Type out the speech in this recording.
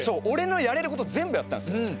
俺のやれること全部やったんですよ。